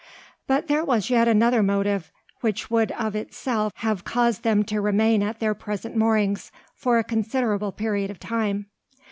But there was yet another motive which would of itself have caused them to remain at their present moorings for a considerable period of time.